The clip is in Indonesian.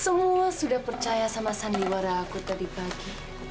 semua sudah percaya sama sandiwara aku tadi pagi